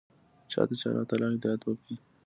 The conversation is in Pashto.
چا ته چې الله تعالى هدايت وکا.